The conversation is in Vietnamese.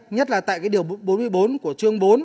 nhất là tại cái điều bốn mươi bốn của chương bốn